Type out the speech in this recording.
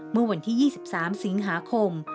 เมื่อวันที่๒๓สิงหาคม